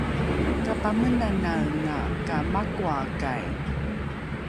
kapamenanaenga ka makoakai